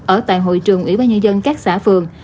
ở tại hội trường ủy ban nhân dân các xã phường